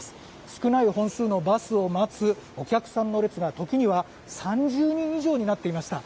少ない本数のバスを待つお客さんの列が時には３０人以上になっていました。